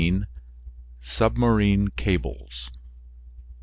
SUBMARINE CABLES.